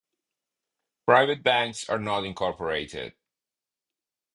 Private banks are not incorporated.